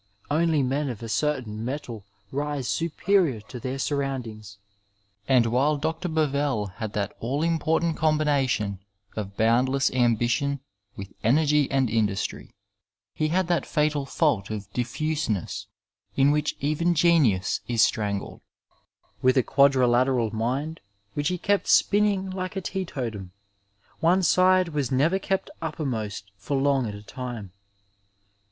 Only men of a certain metal rise superior to their surround ings, and while Dr. Bovell had that all important combina Am 309 BB Digitized by VjOOQIC THE MASTER WORD IN MEDICINE tion of boundless ambition with eneigy and industry, he had that fatal fault of difinseness, in which even genius is strangled. With a quadrilateral mind, which he kept spin ning like a teetotum, one side was never kept uppermost for long at a time.